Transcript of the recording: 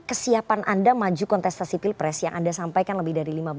kesiapan anda maju kontestasi pilpres yang anda sampaikan lebih dari lima belas